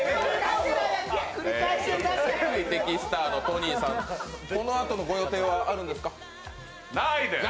トニーさん、このあとのご予定はあるんですか？